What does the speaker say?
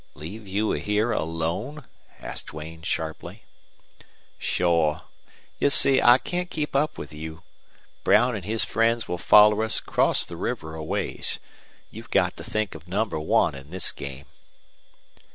"Leave you here alone?" asked Duane, sharply. "Shore. You see, I can't keep up with you. Brown an' his friends will foller us across the river a ways. You've got to think of number one in this game."